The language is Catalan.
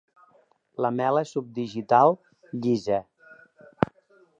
Lamel·la subdigital llisa.